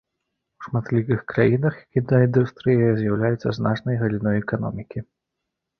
У шматлікіх краінах кінаіндустрыя з'яўляецца значнай галіной эканомікі.